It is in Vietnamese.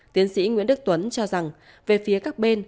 tiến sĩ nguyễn đức tuấn cho rằng về phía các bên